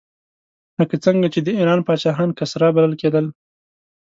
لکه څنګه چې د ایران پاچاهان کسرا بلل کېدل.